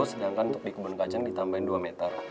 sedangkan untuk di kebun kacang ditambahin dua meter